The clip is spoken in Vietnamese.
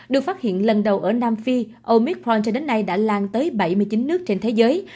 được phát hiện lần đầu ở nam phi omit pront cho đến nay đã lan tới bảy mươi chín nước trên thế giới